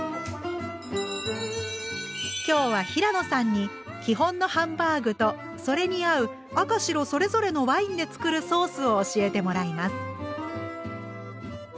今日は平野さんに基本のハンバーグとそれに合う赤白それぞれのワインで作るソースを教えてもらいます。